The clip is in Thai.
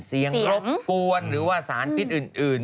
เสียงลดกวนหรือว่าสารพิษอื่น